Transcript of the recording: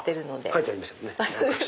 書いてありましたね。